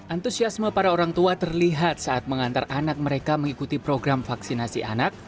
antusiasme para orang tua terlihat saat mengantar anak mereka mengikuti program vaksinasi anak